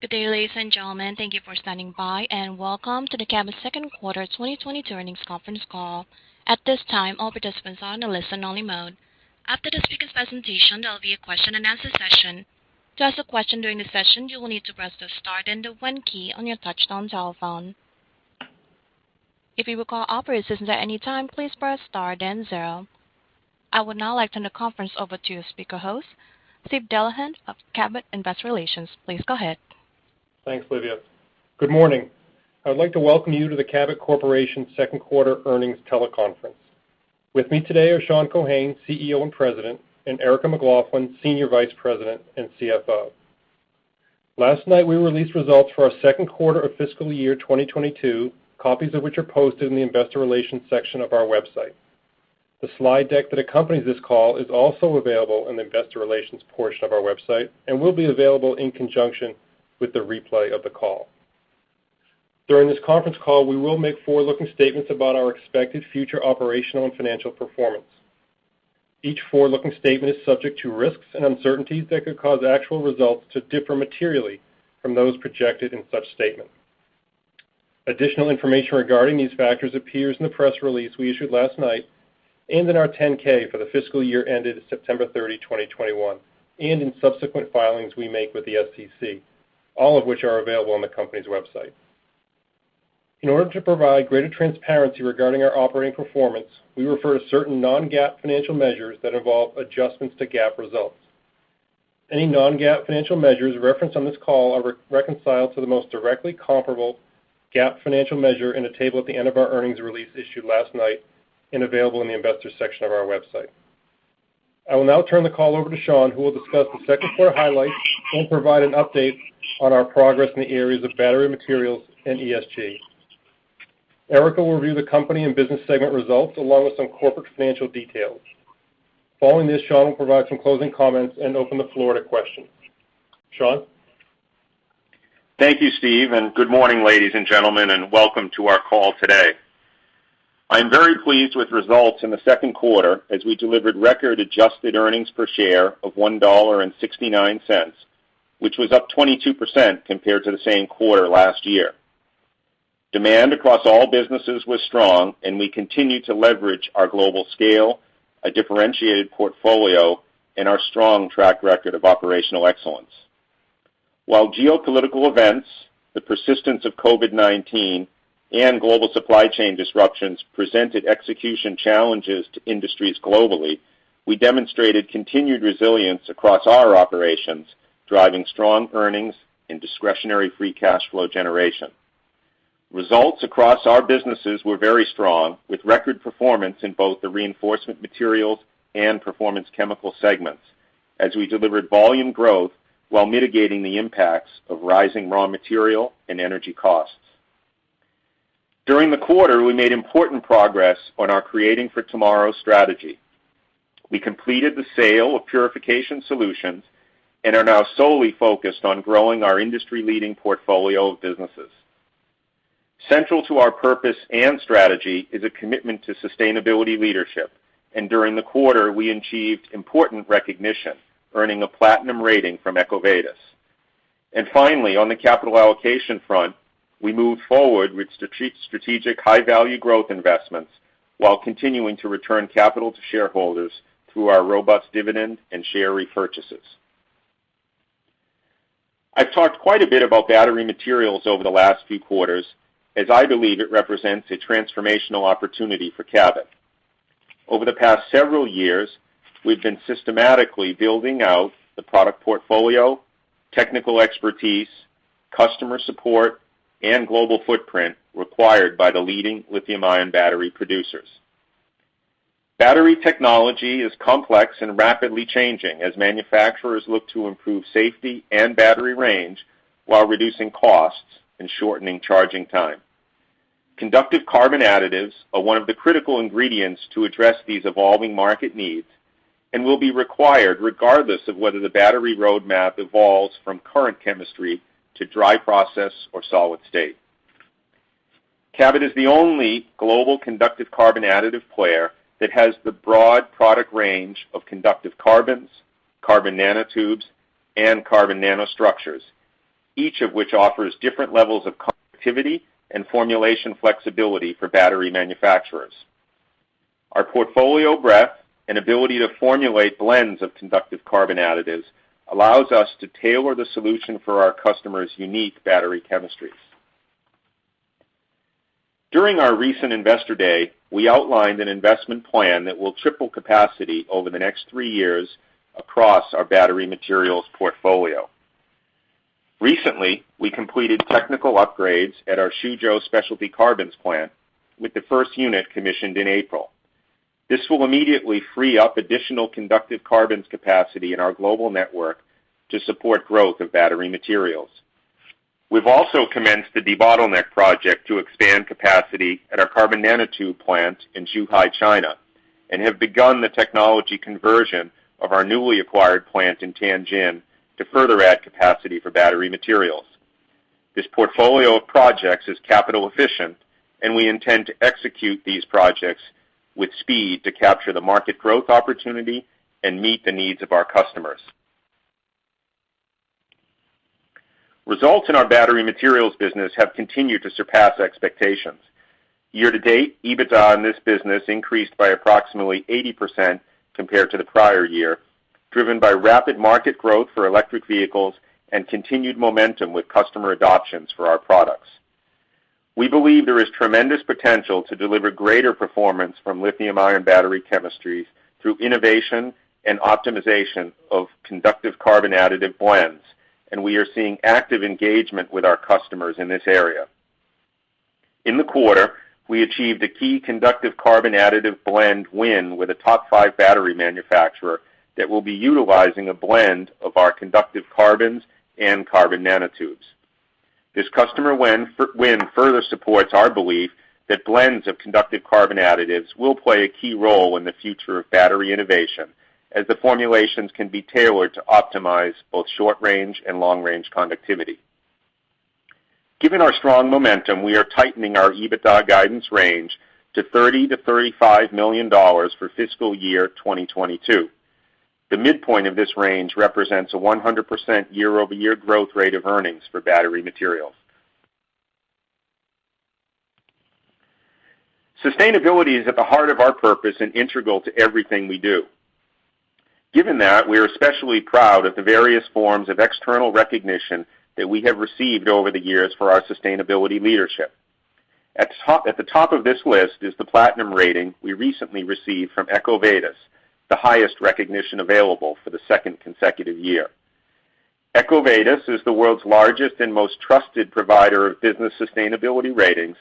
Good day, ladies and gentlemen. Thank you for standing by, and welcome to the Cabot second quarter 2022 earnings conference call. At this time, all participants are on a listen-only mode. After the speaker's presentation, there will be a question-and-answer session. To ask a question during the session, you will need to press the star then the one key on your touchtone telephone. If you require operator assistance at any time, please press star then zero. I would now like to turn the conference over to your speaker host, Steve Delahunt of Cabot Investor Relations. Please go ahead. Thanks, Livia. Good morning. I would like to welcome you to the Cabot Corporation second quarter earnings teleconference. With me today are Sean Keohane, CEO and President, and Erica McLaughlin, Senior Vice President and CFO. Last night, we released results for our second quarter of fiscal year 2022, copies of which are posted in the investor relations section of our website. The slide deck that accompanies this call is also available in the investor relations portion of our website and will be available in conjunction with the replay of the call. During this conference call, we will make forward-looking statements about our expected future operational and financial performance. Each forward-looking statement is subject to risks and uncertainties that could cause actual results to differ materially from those projected in such statements. Additional information regarding these factors appears in the press release we issued last night and in our 10-K for the fiscal year ended September 30, 2021, and in subsequent filings we make with the SEC, all of which are available on the company's website. In order to provide greater transparency regarding our operating performance, we refer to certain non-GAAP financial measures that involve adjustments to GAAP results. Any non-GAAP financial measures referenced on this call are reconciled to the most directly comparable GAAP financial measure in a table at the end of our earnings release issued last night and available in the investors section of our website. I will now turn the call over to Sean, who will discuss the second quarter highlights and provide an update on our progress in the areas of battery materials and ESG. Erica will review the company and business segment results, along with some corporate financial details. Following this, Sean will provide some closing comments and open the floor to questions. Sean? Thank you, Steve, and good morning, ladies and gentlemen, and welcome to our call today. I am very pleased with results in the second quarter as we delivered record adjusted earnings per share of $1.69, which was up 22% compared to the same quarter last year. Demand across all businesses was strong and we continued to leverage our global scale, a differentiated portfolio, and our strong track record of operational excellence. While geopolitical events, the persistence of COVID-19, and global supply chain disruptions presented execution challenges to industries globally, we demonstrated continued resilience across our operations, driving strong earnings and discretionary free cash flow generation. Results across our businesses were very strong, with record performance in both the Reinforcement Materials and Performance Chemicals segments as we delivered volume growth while mitigating the impacts of rising raw material and energy costs. During the quarter, we made important progress on our Creating for Tomorrow strategy. We completed the sale of Purification Solutions and are now solely focused on growing our industry-leading portfolio of businesses. Central to our purpose and strategy is a commitment to sustainability leadership, and during the quarter, we achieved important recognition, earning a platinum rating from EcoVadis. Finally, on the capital allocation front, we moved forward with strategic high-value growth investments while continuing to return capital to shareholders through our robust dividend and share repurchases. I've talked quite a bit about battery materials over the last few quarters, as I believe it represents a transformational opportunity for Cabot. Over the past several years, we've been systematically building out the product portfolio, technical expertise, customer support, and global footprint required by the leading lithium-ion battery producers. Battery technology is complex and rapidly changing as manufacturers look to improve safety and battery range while reducing costs and shortening charging time. Conductive carbon additives are one of the critical ingredients to address these evolving market needs and will be required regardless of whether the battery roadmap evolves from current chemistry to dry process or solid-state. Cabot is the only global conductive carbon additive player that has the broad product range of conductive carbons, carbon nanotubes, and carbon nanostructures, each of which offers different levels of conductivity and formulation flexibility for battery manufacturers. Our portfolio breadth and ability to formulate blends of conductive carbon additives allows us to tailor the solution for our customers' unique battery chemistries. During our recent Investor Day, we outlined an investment plan that will triple capacity over the next three years across our battery materials portfolio. Recently, we completed technical upgrades at our Suzhou specialty carbons plant, with the first unit commissioned in April. This will immediately free up additional conductive carbons capacity in our global network to support growth of battery materials. We've also commenced the debottleneck project to expand capacity at our carbon nanotube plant in Zhuhai, China, and have begun the technology conversion of our newly acquired plant in Tianjin to further add capacity for battery materials. This portfolio of projects is capital efficient, and we intend to execute these projects with speed to capture the market growth opportunity and meet the needs of our customers. Results in our battery materials business have continued to surpass expectations. Year-to-date, EBITDA in this business increased by approximately 80% compared to the prior year, driven by rapid market growth for electric vehicles and continued momentum with customer adoptions for our products. We believe there is tremendous potential to deliver greater performance from lithium-ion battery chemistries through innovation and optimization of conductive carbon additive blends, and we are seeing active engagement with our customers in this area. In the quarter, we achieved a key conductive carbon additive blend win with a top five battery manufacturer that will be utilizing a blend of our conductive carbons and carbon nanotubes. This customer win further supports our belief that blends of conductive carbon additives will play a key role in the future of battery innovation, as the formulations can be tailored to optimize both short-range and long-range conductivity. Given our strong momentum, we are tightening our EBITDA guidance range to $30-$35 million for fiscal year 2022. The midpoint of this range represents a 100% year-over-year growth rate of earnings for battery materials. Sustainability is at the heart of our purpose and integral to everything we do. Given that, we are especially proud of the various forms of external recognition that we have received over the years for our sustainability leadership. At the top of this list is the platinum rating we recently received from EcoVadis, the highest recognition available for the second consecutive year. EcoVadis is the world's largest and most trusted provider of business sustainability ratings,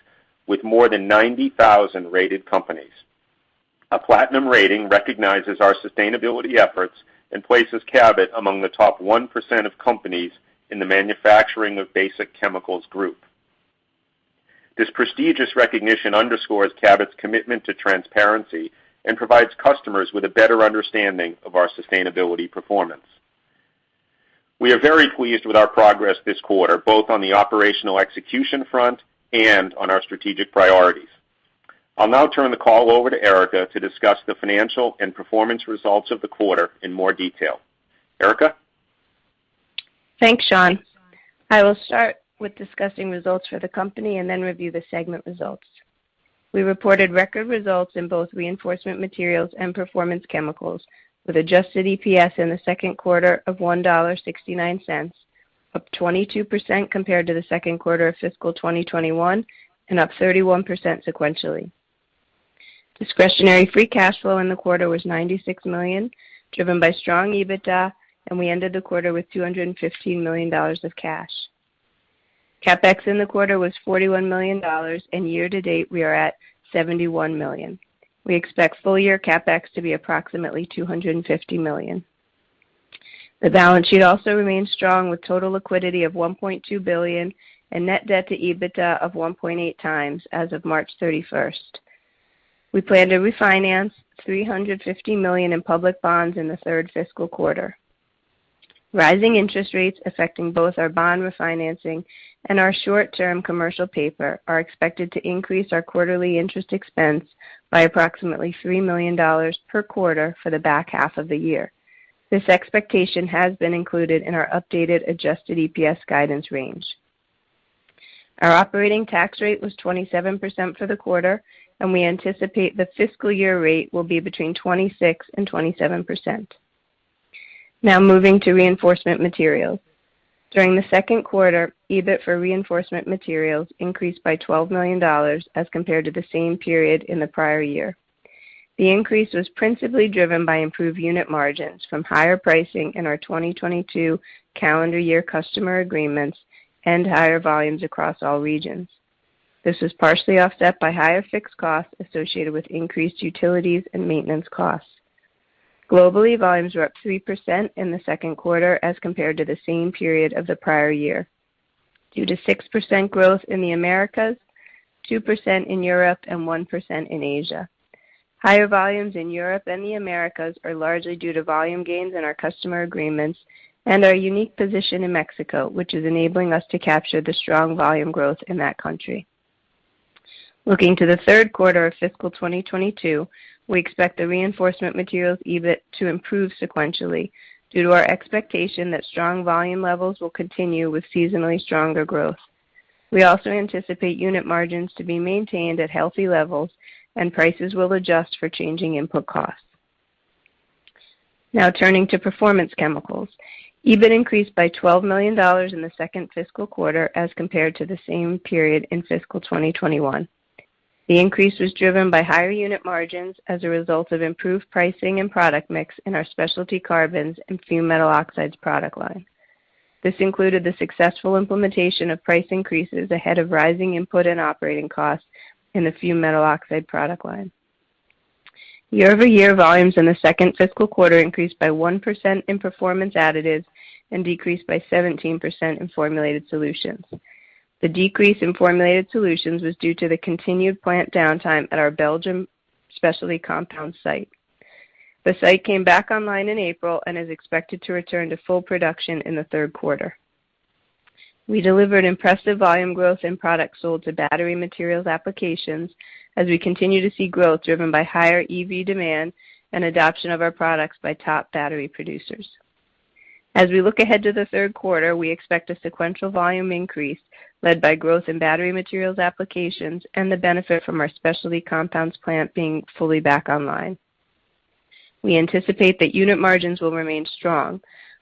with more than 90,000 rated companies. A platinum rating recognizes our sustainability efforts and places Cabot among the top 1% of companies in the manufacturing of basic chemicals group. This prestigious recognition underscores Cabot's commitment to transparency and provides customers with a better understanding of our sustainability performance. We are very pleased with our progress this quarter, both on the operational execution front and on our strategic priorities. I'll now turn the call over to Erica to discuss the financial and performance results of the quarter in more detail. Erica? Thanks, Sean. I will start with discussing results for the company and then review the segment results. We reported record results in both Reinforcement Materials and Performance Chemicals, with adjusted EPS in the second quarter of $1.69, up 22% compared to the second quarter of fiscal 2021, and up 31% sequentially. Discretionary free cash flow in the quarter was $96 million, driven by strong EBITDA, and we ended the quarter with $215 million of cash. CapEx in the quarter was $41 million, and year-to-date, we are at $71 million. We expect full-year CapEx to be approximately $250 million. The balance sheet also remains strong, with total liquidity of $1.2 billion and net debt to EBITDA of 1.8 times as of March thirty-first. We plan to refinance $350 million in public bonds in the third fiscal quarter. Rising interest rates affecting both our bond refinancing and our short-term commercial paper are expected to increase our quarterly interest expense by approximately $3 million per quarter for the back half of the year. This expectation has been included in our updated adjusted EPS guidance range. Our operating tax rate was 27% for the quarter, and we anticipate the fiscal year rate will be between 26% and 27%. Now moving to Reinforcement Materials. During the second quarter, EBIT for Reinforcement Materials increased by $12 million as compared to the same period in the prior year. The increase was principally driven by improved unit margins from higher pricing in our 2022 calendar year customer agreements and higher volumes across all regions. This was partially offset by higher fixed costs associated with increased utilities and maintenance costs. Globally, volumes were up 3% in the second quarter as compared to the same period of the prior year, due to 6% growth in the Americas, 2% in Europe and 1% in Asia. Higher volumes in Europe and the Americas are largely due to volume gains in our customer agreements and our unique position in Mexico, which is enabling us to capture the strong volume growth in that country. Looking to the third quarter of fiscal 2022, we expect the Reinforcement Materials EBIT to improve sequentially due to our expectation that strong volume levels will continue with seasonally stronger growth. We also anticipate unit margins to be maintained at healthy levels, and prices will adjust for changing input costs. Now turning to Performance Chemicals. EBIT increased by $12 million in the second fiscal quarter as compared to the same period in fiscal 2021. The increase was driven by higher unit margins as a result of improved pricing and product mix in our specialty carbons and fumed metal oxides product line. This included the successful implementation of price increases ahead of rising input and operating costs in the fumed metal oxide product line. Year-over-year volumes in the second fiscal quarter increased by 1% in Performance Additives and decreased by 17% in Formulated Solutions. The decrease in Formulated Solutions was due to the continued plant downtime at our Belgium specialty compound site. The site came back online in April and is expected to return to full production in the third quarter. We delivered impressive volume growth in products sold to battery materials applications as we continue to see growth driven by higher EV demand and adoption of our products by top battery producers. As we look ahead to the third quarter, we expect a sequential volume increase led by growth in battery materials applications and the benefit from our specialty compounds plant being fully back online. We anticipate that unit margins will remain strong,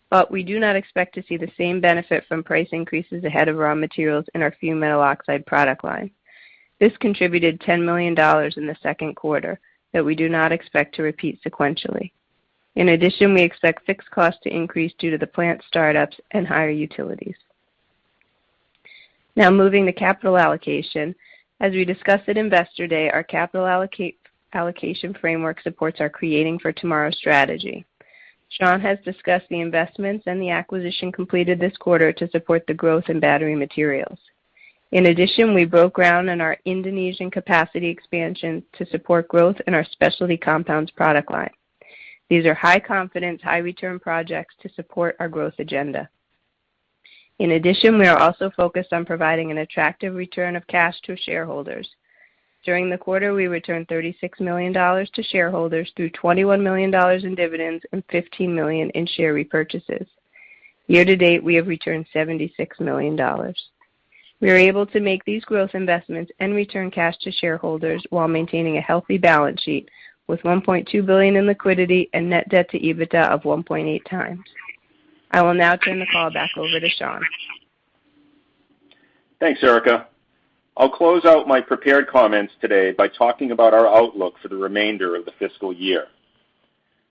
but we do not expect to see the same benefit from price increases ahead of raw materials in our fumed metal oxide product line. This contributed $10 million in the second quarter that we do not expect to repeat sequentially. In addition, we expect fixed costs to increase due to the plant startups and higher utilities. Now moving to capital allocation. As we discussed at Investor Day, our capital allocation framework supports our Creating for Tomorrow strategy. Sean has discussed the investments and the acquisition completed this quarter to support the growth in battery materials. In addition, we broke ground on our Indonesian capacity expansion to support growth in our specialty compounds product line. These are high confidence, high return projects to support our growth agenda. In addition, we are also focused on providing an attractive return of cash to shareholders. During the quarter, we returned $36 million to shareholders through $21 million in dividends and $15 million in share repurchases. Year to date, we have returned $76 million. We are able to make these growth investments and return cash to shareholders while maintaining a healthy balance sheet with $1.2 billion in liquidity and net debt to EBITDA of 1.8 times. I will now turn the call back over to Sean. Thanks, Erica. I'll close out my prepared comments today by talking about our outlook for the remainder of the fiscal year.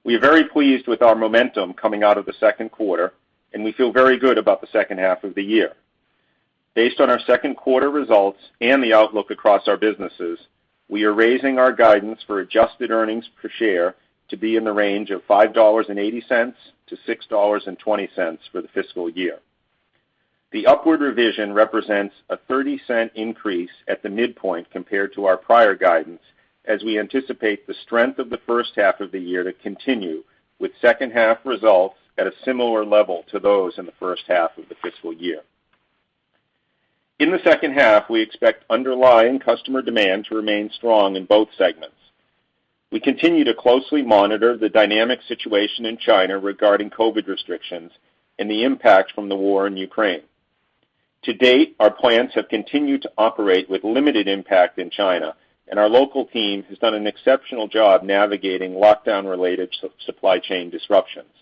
We are very pleased with our momentum coming out of the second quarter, and we feel very good about the second half of the year. Based on our second quarter results and the outlook across our businesses, we are raising our guidance for adjusted earnings per share to be in the range of $5.80-$6.20 for the fiscal year. The upward revision represents a 30-cent increase at the midpoint compared to our prior guidance as we anticipate the strength of the first half of the fiscal year to continue, with second half results at a similar level to those in the first half of the fiscal year. In the second half, we expect underlying customer demand to remain strong in both segments. We continue to closely monitor the dynamic situation in China regarding COVID restrictions and the impact from the war in Ukraine. To date, our plants have continued to operate with limited impact in China, and our local team has done an exceptional job navigating lockdown-related supply chain disruptions.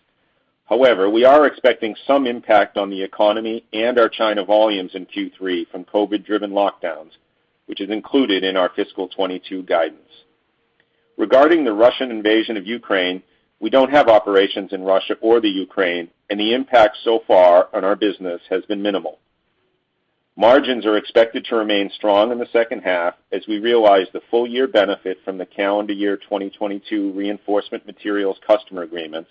However, we are expecting some impact on the economy and our China volumes in Q3 from COVID-driven lockdowns, which is included in our fiscal 2022 guidance. Regarding the Russian invasion of Ukraine, we don't have operations in Russia or the Ukraine, and the impact so far on our business has been minimal. Margins are expected to remain strong in the second half as we realize the full year benefit from the calendar year 2022 Reinforcement Materials customer agreements,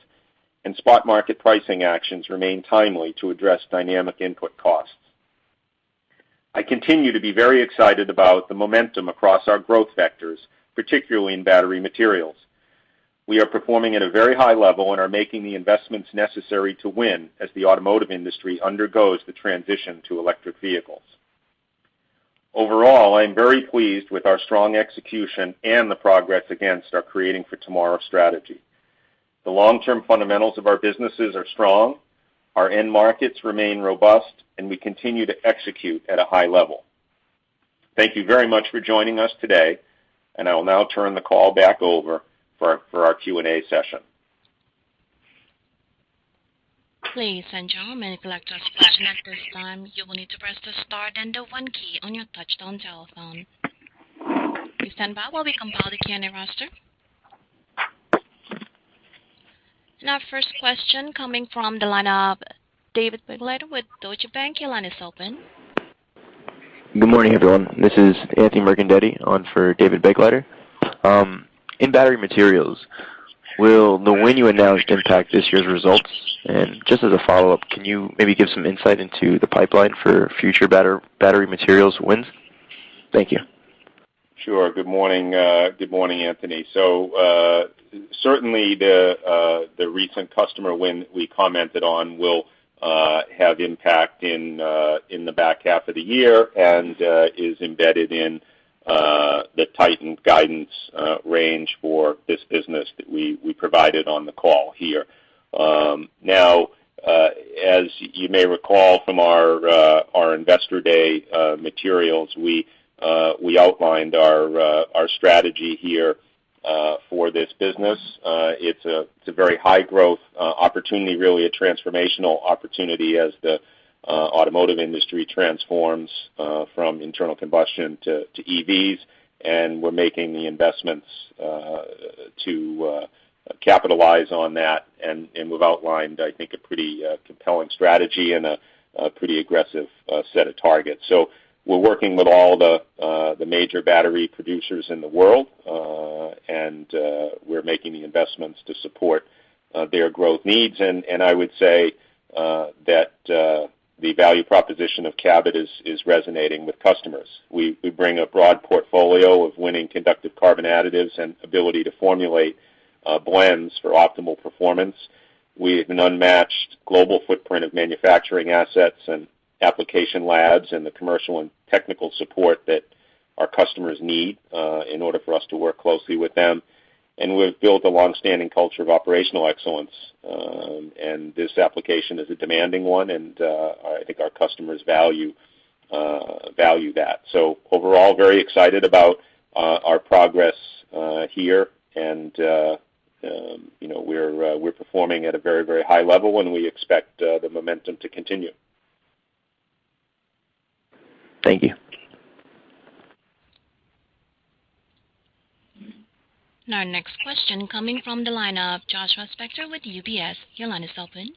and spot market pricing actions remain timely to address dynamic input costs. I continue to be very excited about the momentum across our growth vectors, particularly in battery materials. We are performing at a very high level and are making the investments necessary to win as the automotive industry undergoes the transition to electric vehicles. Overall, I am very pleased with our strong execution and the progress against our Creating for Tomorrow strategy. The long-term fundamentals of our businesses are strong, our end markets remain robust, and we continue to execute at a high level. Thank you very much for joining us today, and I will now turn the call back over for our Q&A session. Please stand by. Many callers flashing at this time. You will need to press the star then the one key on your touchtone telephone. Please stand by while we compile the Q&A roster. Our first question coming from the line of David Begleiter with Deutsche Bank. Your line is open. Good morning, everyone. This is Anthony Mercandetti on for David Begleiter. In battery materials, will the win you announced impact this year's results? Just as a follow-up, can you maybe give some insight into the pipeline for future battery materials wins? Thank you. Sure. Good morning. Good morning, Anthony. Certainly the recent customer win we commented on will have impact in the back half of the year and is embedded in the tightened guidance range for this business that we provided on the call here. Now, as you may recall from our Investor Day materials, we outlined our strategy here for this business. It's a very high growth opportunity, really a transformational opportunity as the automotive industry transforms from internal combustion to EVs, and we're making the investments to capitalize on that. We've outlined, I think, a pretty compelling strategy and a pretty aggressive set of targets. We're working with all the major battery producers in the world, and we're making the investments to support their growth needs. I would say that the value proposition of Cabot is resonating with customers. We bring a broad portfolio of winning conductive carbon additives and ability to formulate blends for optimal performance. We have an unmatched global footprint of manufacturing assets and application labs, and the commercial and technical support that our customers need in order for us to work closely with them. We've built a longstanding culture of operational excellence, and this application is a demanding one, and I think our customers value that. Overall, very excited about our progress here. You know, we're performing at a very, very high level, and we expect the momentum to continue. Thank you. Our next question coming from the line of Joshua Spector with UBS. Your line is open.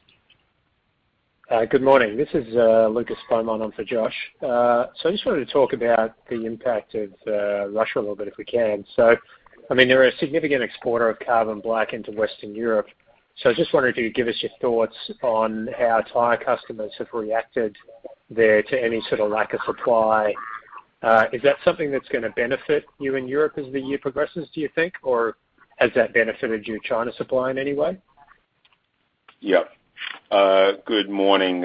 Good morning. This is Lucas Beaumont on for Josh. I just wanted to talk about the impact of Russia a little bit, if we can. I mean, they're a significant exporter of carbon black into Western Europe. I just wondered if you'd give us your thoughts on how tire customers have reacted there to any sort of lack of supply. Is that something that's gonna benefit you in Europe as the year progresses, do you think? Or has that benefited your China supply in any way? Good morning,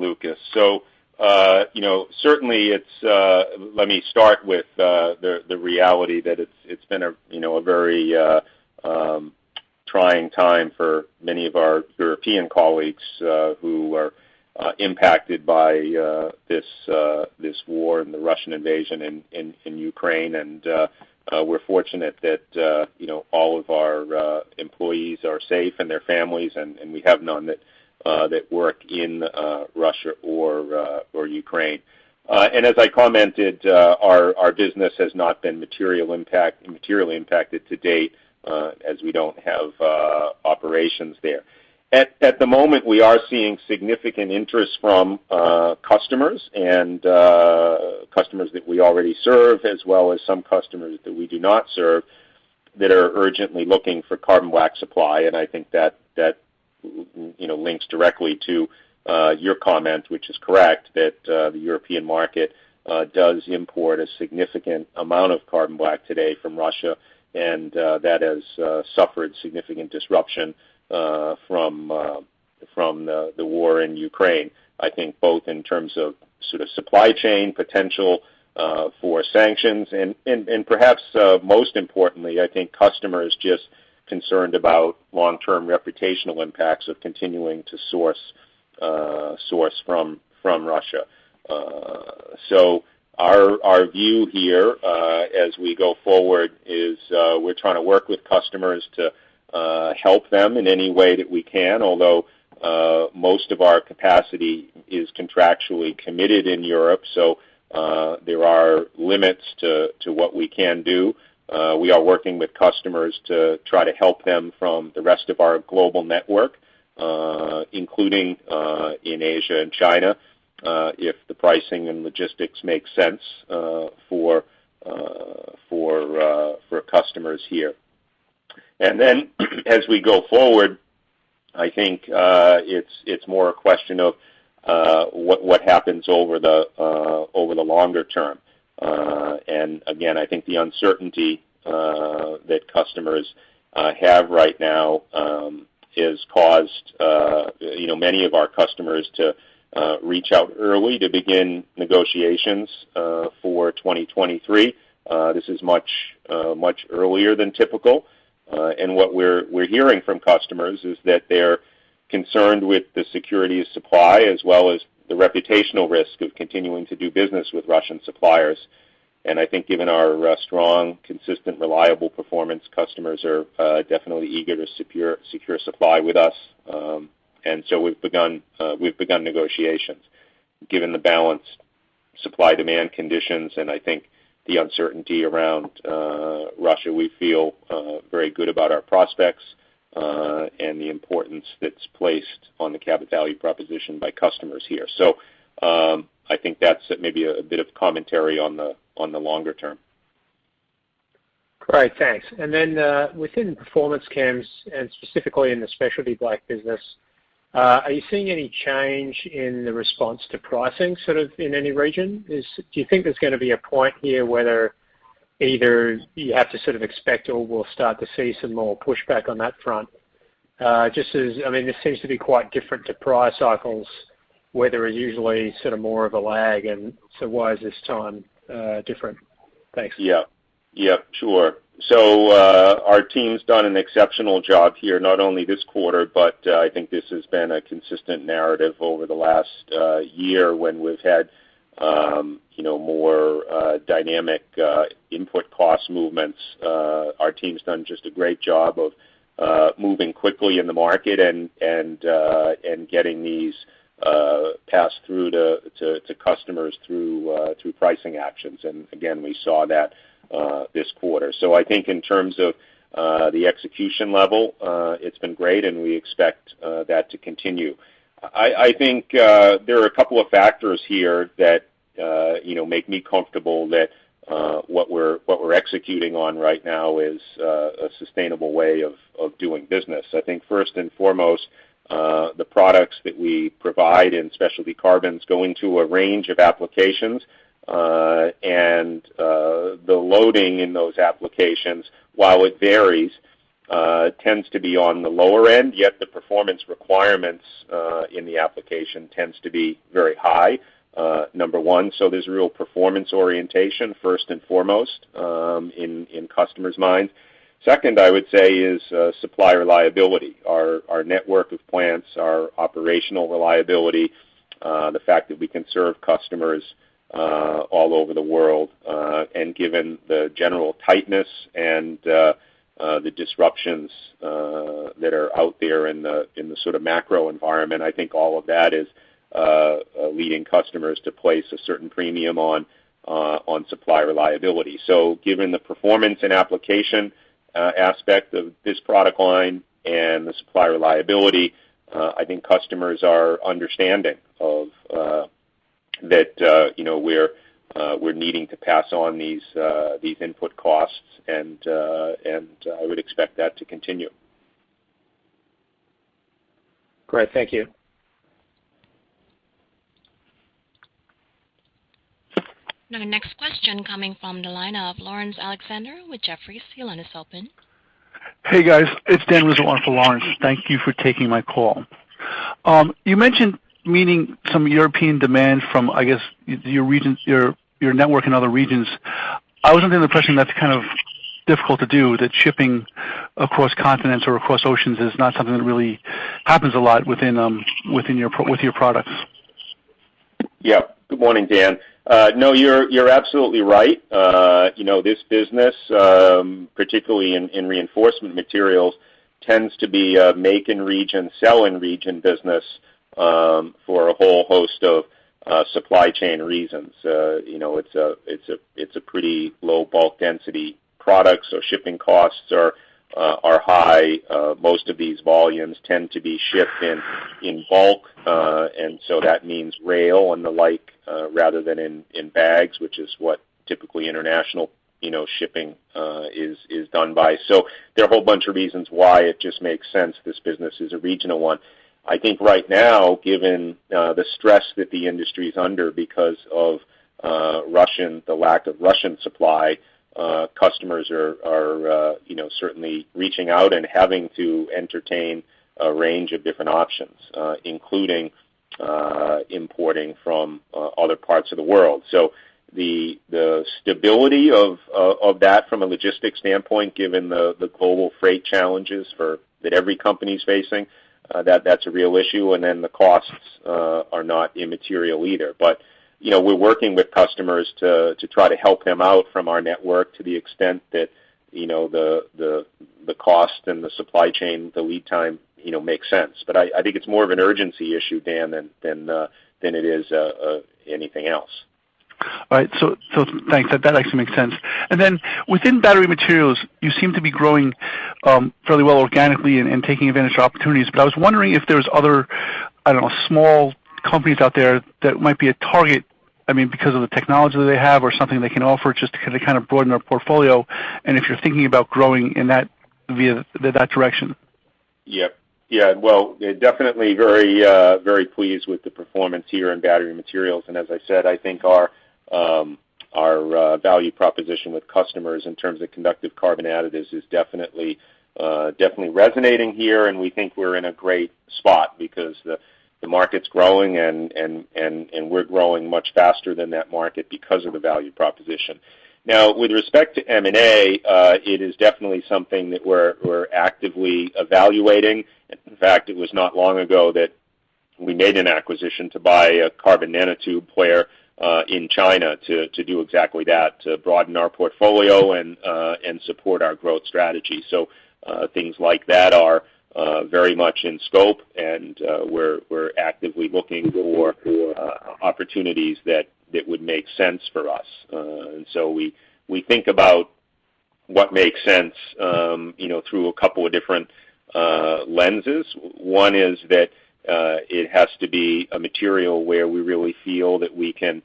Lucas. You know, certainly it's, let me start with the reality that it's been, you know, a very trying time for many of our European colleagues, who are impacted by this war and the Russian invasion in Ukraine. We're fortunate that, you know, all of our employees are safe and their families, and we have none that work in Russia or Ukraine. As I commented, our business has not been materially impacted to date, as we don't have operations there. At the moment, we are seeing significant interest from customers, and customers that we already serve, as well as some customers that we do not serve that are urgently looking for carbon black supply. I think that you know, links directly to your comment, which is correct, that the European market does import a significant amount of carbon black today from Russia, and that has suffered significant disruption from the war in Ukraine. I think both in terms of sort of supply chain potential for sanctions and perhaps most importantly, I think customers just concerned about long-term reputational impacts of continuing to source source from Russia. Our view here as we go forward is we're trying to work with customers to help them in any way that we can, although most of our capacity is contractually committed in Europe, so there are limits to what we can do. We are working with customers to try to help them from the rest of our global network, including in Asia and China, if the pricing and logistics make sense for customers here. As we go forward, I think it's more a question of what happens over the longer term. Again, I think the uncertainty that customers have right now has caused, you know, many of our customers to reach out early to begin negotiations for 2023. This is much earlier than typical. What we're hearing from customers is that they're concerned with the security of supply, as well as the reputational risk of continuing to do business with Russian suppliers. I think given our strong, consistent, reliable performance, customers are definitely eager to secure supply with us. We've begun negotiations. Given the balanced supply-demand conditions, and I think the uncertainty around Russia, we feel very good about our prospects and the importance that's placed on the Cabot value proposition by customers here. I think that's maybe a bit of commentary on the longer term. Great. Thanks. Within Performance Chems, and specifically in the specialty black business, are you seeing any change in the response to pricing sort of in any region? Do you think there's gonna be a point here where either you have to sort of expect or we'll start to see some more pushback on that front? Just as, I mean, this seems to be quite different to prior cycles, where there is usually sort of more of a lag, and so why is this time different? Thanks. Yeah. Yeah, sure. Our team's done an exceptional job here, not only this quarter, but I think this has been a consistent narrative over the last year when we've had you know more dynamic input cost movements. Our team's done just a great job of moving quickly in the market and getting these passed through to customers through pricing actions. Again, we saw that this quarter. I think in terms of the execution level, it's been great, and we expect that to continue. I think there are a couple of factors here that you know make me comfortable that what we're executing on right now is a sustainable way of doing business. I think first and foremost, the products that we provide in specialty carbons go into a range of applications. The loading in those applications, while it varies, tends to be on the lower end, yet the performance requirements in the application tends to be very high, number one. There's real performance orientation first and foremost in customers' minds. Second, I would say is supply reliability. Our network of plants, our operational reliability, the fact that we can serve customers all over the world. Given the general tightness and the disruptions that are out there in the sort of macro environment, I think all of that is leading customers to place a certain premium on supply reliability. Given the performance and application, aspect of this product line and the supply reliability, I think customers are understanding of, that, you know, we're needing to pass on these input costs, and I would expect that to continue. Great. Thank you. Now, next question coming from the line of Laurence Alexander with Jefferies. Your line is open. Hey, guys. It's Dan with Laurence. Thank you for taking my call. You mentioned meeting some European demand from, I guess, your regions, your network in other regions. I was under the impression that's kind of difficult to do, that shipping across continents or across oceans is not something that really happens a lot within your products. Yeah. Good morning, Dan. No, you're absolutely right. You know, this business, particularly in Reinforcement Materials, tends to be a make in region, sell in region business, for a whole host of supply chain reasons. You know, it's a pretty low bulk density product, so shipping costs are high. Most of these volumes tend to be shipped in bulk. And so that means rail and the like, rather than in bags, which is what typically international shipping is done by. There are a whole bunch of reasons why it just makes sense this business is a regional one. I think right now, given the stress that the industry's under because of the lack of Russian supply, customers are you know certainly reaching out and having to entertain a range of different options, including importing from other parts of the world. The stability of that from a logistics standpoint, given the global freight challenges that every company's facing, that's a real issue. Then the costs are not immaterial either. You know, we're working with customers to try to help them out from our network to the extent that you know the cost and the supply chain, the lead time you know makes sense. I think it's more of an urgency issue, Dan, than it is anything else. All right. Thanks. That actually makes sense. Within battery materials, you seem to be growing fairly well organically and taking advantage of opportunities. I was wondering if there's other, I don't know, small companies out there that might be a target, I mean, because of the technology they have or something they can offer just to kind of broaden our portfolio, and if you're thinking about growing in that via that direction. Yeah. Yeah. Well, definitely very pleased with the performance here in battery materials. As I said, I think our value proposition with customers in terms of conductive carbon additives is definitely resonating here. We think we're in a great spot because the market's growing and we're growing much faster than that market because of the value proposition. Now, with respect to M&A, it is definitely something that we're actively evaluating. In fact, it was not long ago that we made an acquisition to buy a carbon nanotube player in China to do exactly that, to broaden our portfolio and support our growth strategy. Things like that are very much in scope, and we're actively looking for opportunities that would make sense for us. We think about what makes sense, you know, through a couple of different lenses. One is that it has to be a material where we really feel that we can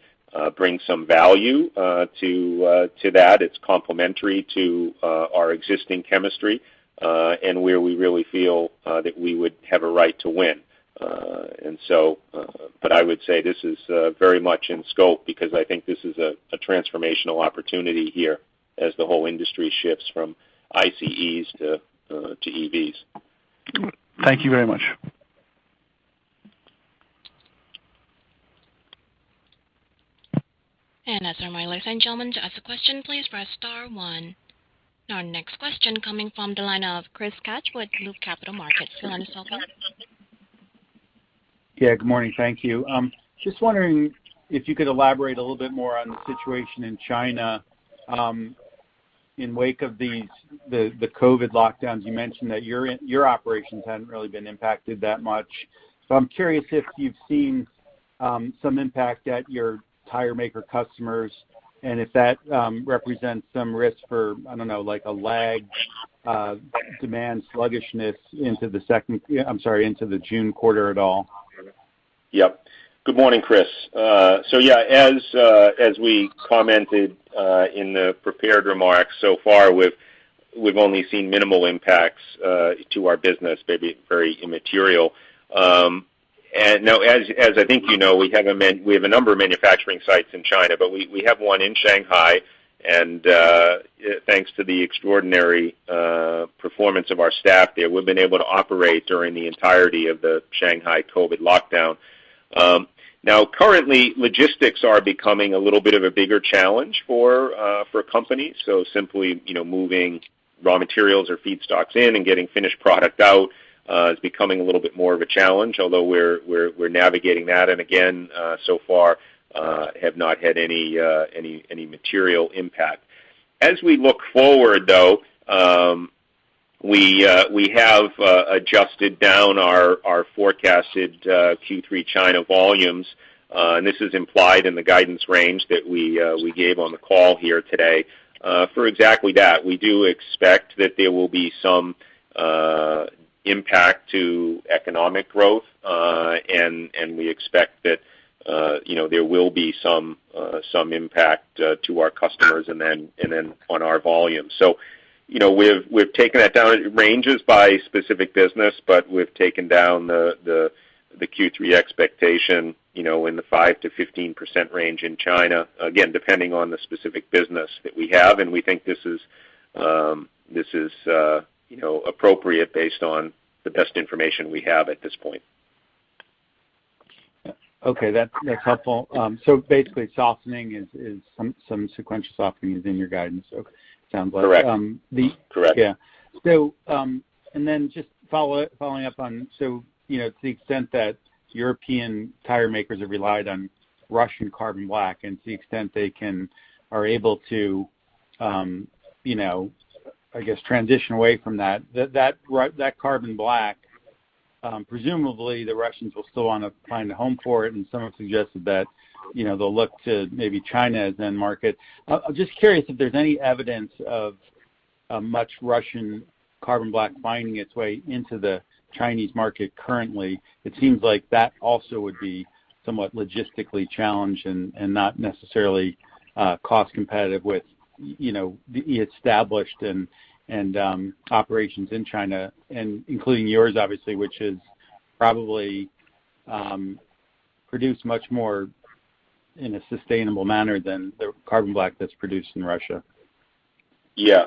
bring some value to that. It's complementary to our existing chemistry and where we really feel that we would have a right to win. I would say this is very much in scope because I think this is a transformational opportunity here as the whole industry shifts from ICEs to EVs. Thank you very much. As a reminder, ladies and gentlemen, to ask a question, please press star one. Our next question coming from the line of Chris Kapsch with Loop Capital Markets. Your line is open. Yeah. Good morning. Thank you. Just wondering if you could elaborate a little bit more on the situation in China, in the wake of these COVID lockdowns. You mentioned that your operations hadn't really been impacted that much. I'm curious if you've seen Some impact at your tire maker customers, and if that represents some risk for, I don't know, like a lag, demand sluggishness into the June quarter at all? Good morning, Chris. As we commented in the prepared remarks so far, we've only seen minimal impacts to our business, they'd be very immaterial. Now, as I think you know, we have a number of manufacturing sites in China, but we have one in Shanghai. Thanks to the extraordinary performance of our staff there, we've been able to operate during the entirety of the Shanghai COVID lockdown. Now currently, logistics are becoming a little bit of a bigger challenge for companies. Simply, you know, moving raw materials or feedstocks in and getting finished product out is becoming a little bit more of a challenge, although we're navigating that, and again, so far, have not had any material impact. As we look forward, though, we have adjusted down our forecasted Q3 China volumes, and this is implied in the guidance range that we gave on the call here today, for exactly that. We do expect that there will be some impact to economic growth, and we expect that, you know, there will be some impact to our customers and then on our volume. You know, we've taken that down. It ranges by specific business, but we've taken down the Q3 expectation, you know, in the 5%-15% range in China, again, depending on the specific business that we have. We think this is, you know, appropriate based on the best information we have at this point. Okay. That's helpful. Basically softening is some sequential softening is in your guidance, so it sounds like. Correct. Um, the- Correct. Yeah. Following up on, you know, to the extent that European tire makers have relied on Russian carbon black, and to the extent they are able to, you know, I guess, transition away from that carbon black, presumably the Russians will still wanna find a home for it, and someone suggested that, you know, they'll look to maybe China as end market. I'm just curious if there's any evidence of much Russian carbon black finding its way into the Chinese market currently. It seems like that also would be somewhat logistically challenged and not necessarily cost competitive with, you know, the established and operations in China, and including yours, obviously, which is probably produced much more in a sustainable manner than the carbon black that's produced in Russia. Yeah.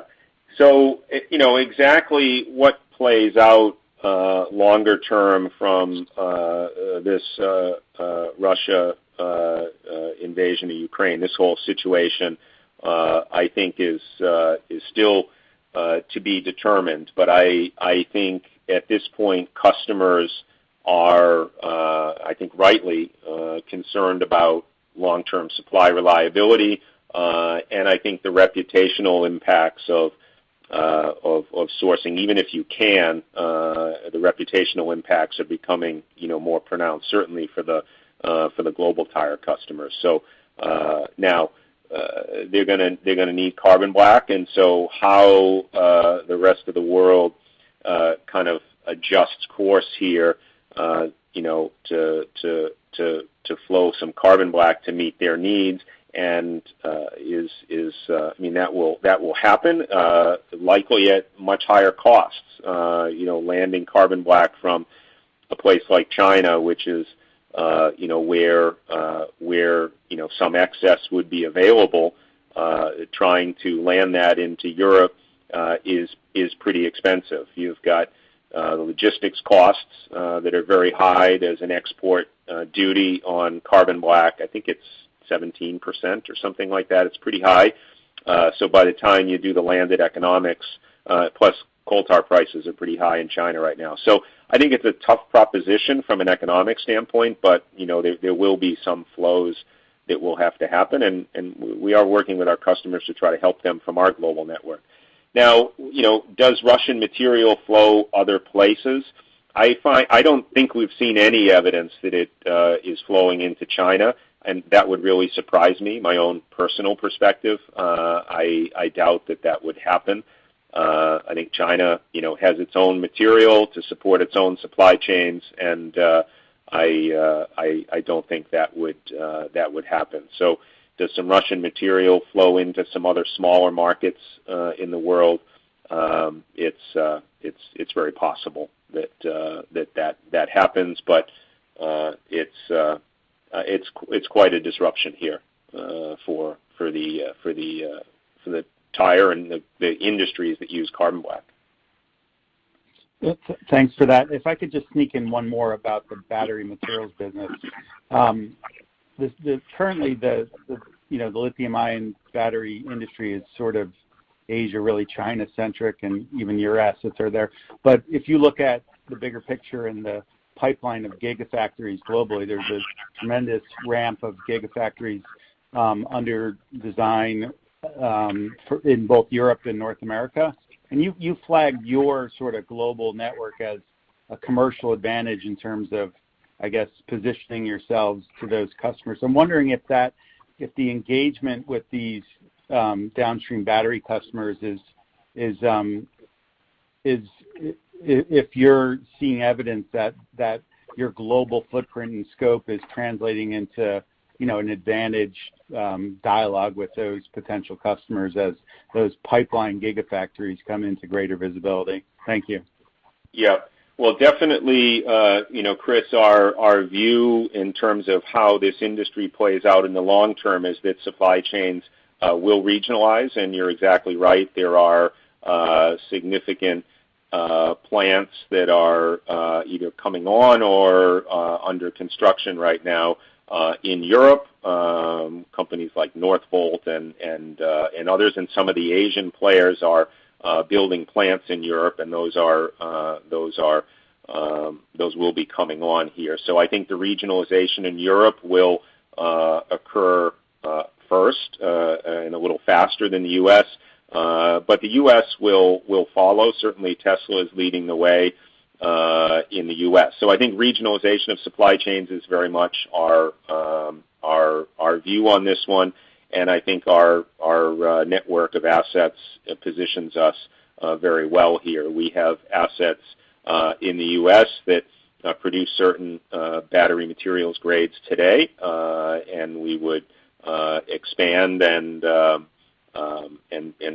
You know, exactly what plays out longer term from this Russian invasion of Ukraine, this whole situation, I think is still to be determined. I think at this point, customers are I think rightly concerned about long-term supply reliability. I think the reputational impacts of sourcing, even if you can, are becoming, you know, more pronounced certainly for the global tire customers. Now, they're gonna need carbon black, and how the rest of the world kind of adjusts course here, you know, to flow some carbon black to meet their needs, and that will happen, I mean, likely at much higher costs. You know, landing carbon black from a place like China, which is, you know, where some excess would be available, trying to land that into Europe, is pretty expensive. You've got the logistics costs that are very high. There's an export duty on carbon black. I think it's 17% or something like that. It's pretty high. So by the time you do the landed economics, plus coal tar prices are pretty high in China right now. So I think it's a tough proposition from an economic standpoint, but, you know, there will be some flows that will have to happen. We are working with our customers to try to help them from our global network. Now, you know, does Russian material flow other places? I don't think we've seen any evidence that it is flowing into China, and that would really surprise me. My own personal perspective, I doubt that would happen. I think China, you know, has its own material to support its own supply chains, and I don't think that would happen. Does some Russian material flow into some other smaller markets in the world? It's very possible that that happens, but it's quite a disruption here for the tire and the industries that use carbon black. Thanks for that. If I could just sneak in one more about the battery materials business. Currently, you know, the lithium-ion battery industry is sort of Asia-centric, really China-centric, and even your assets are there. If you look at the bigger picture and the pipeline of gigafactories globally, there's a tremendous ramp of gigafactories under design in both Europe and North America. You flagged your sort of global network as a commercial advantage in terms of, I guess, positioning yourselves for those customers. I'm wondering if that, if the engagement with these downstream battery customers is if you're seeing evidence that your global footprint and scope is translating into, you know, an advantage, dialogue with those potential customers as those pipeline gigafactories come into greater visibility. Thank you. Yeah. Well, definitely, you know, Chris, our view in terms of how this industry plays out in the long term is that supply chains will regionalize. You're exactly right, there are significant plants that are either coming on or under construction right now in Europe, companies like Northvolt and others, and some of the Asian players are building plants in Europe, and those will be coming on here. I think the regionalization in Europe will occur first and a little faster than the U.S. The U.S. will follow. Certainly, Tesla is leading the way in the U.S. I think regionalization of supply chains is very much our view on this one, and I think our network of assets positions us very well here. We have assets in the U.S. that produce certain battery materials grades today, and we would expand and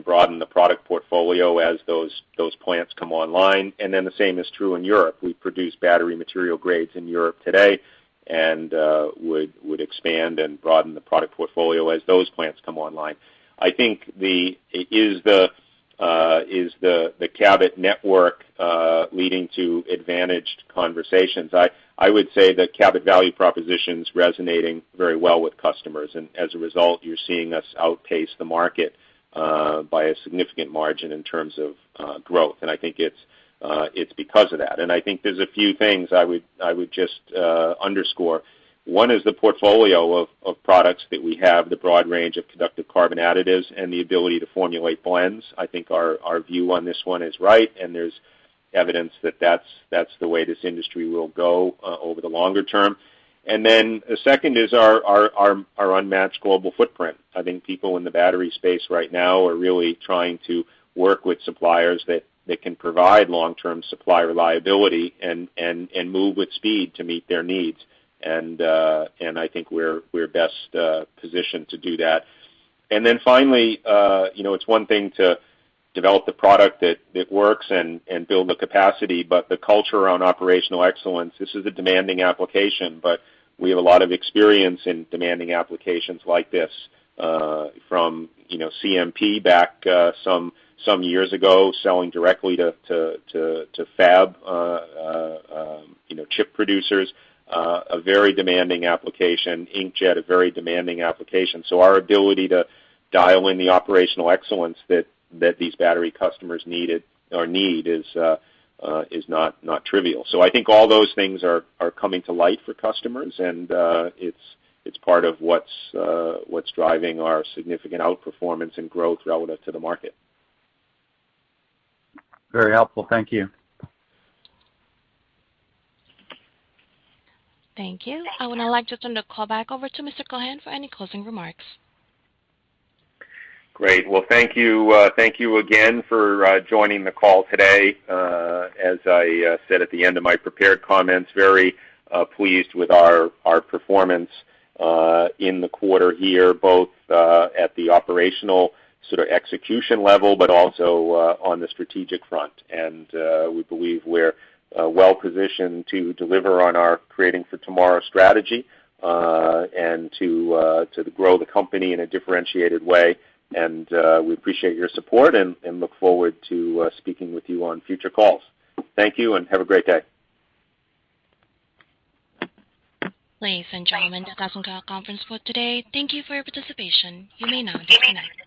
broaden the product portfolio as those plants come online. Then the same is true in Europe. We produce battery material grades in Europe today and would expand and broaden the product portfolio as those plants come online. I think the Cabot network is leading to advantaged conversations? I would say the Cabot value proposition's resonating very well with customers, and as a result, you're seeing us outpace the market by a significant margin in terms of growth. I think it's because of that. I think there's a few things I would just underscore. One is the portfolio of products that we have, the broad range of conductive carbon additives and the ability to formulate blends. I think our view on this one is right, and there's evidence that that's the way this industry will go over the longer term. Then the second is our unmatched global footprint. I think people in the battery space right now are really trying to work with suppliers that can provide long-term supply reliability and move with speed to meet their needs. I think we're best positioned to do that. Then finally, you know, it's one thing to develop the product that works and build the capacity, but the culture around operational excellence. This is a demanding application. We have a lot of experience in demanding applications like this, from, you know, CMP back, some years ago, selling directly to fab, you know, chip producers, a very demanding application. Inkjet, a very demanding application. Our ability to dial in the operational excellence that these battery customers needed or need is not trivial. I think all those things are coming to light for customers, and it's part of what's driving our significant outperformance and growth relative to the market. Very helpful. Thank you. Thank you. I would now like to turn the call back over to Mr. Keohane for any closing remarks. Great. Well, thank you. Thank you again for joining the call today. As I said at the end of my prepared comments, very pleased with our performance in the quarter here, both at the operational sort of execution level, but also on the strategic front. We believe we're well positioned to deliver on our Creating for Tomorrow strategy, and to grow the company in a differentiated way. We appreciate your support and look forward to speaking with you on future calls. Thank you, and have a great day. Ladies and gentlemen, that does end our conference call today. Thank you for your participation. You may now disconnect.